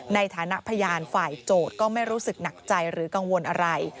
ในฐานะพยานฝ่ายโจทย์ก็ไม่รู้สึกหนักใจหรือกังวลอะไร